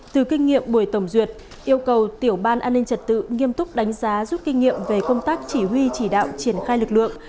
từ kinh nghiệm buổi tổng duyệt yêu cầu tiểu ban an ninh trật tự nghiêm túc đánh giá rút kinh nghiệm về công tác chỉ huy chỉ đạo triển khai lực lượng